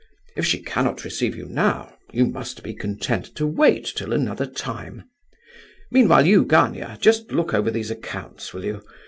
If she cannot receive you now, you must be content to wait till another time. Meanwhile you, Gania, just look over these accounts, will you?